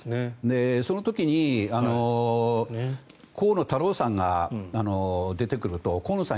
その時に河野太郎さんが出てくると河野さん